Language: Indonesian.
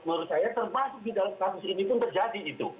menurut saya termasuk di dalam kasus ini pun terjadi itu